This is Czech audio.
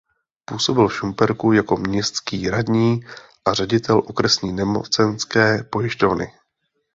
Působil v Šumperku jako městský radní a ředitel okresní nemocenské pojišťovny.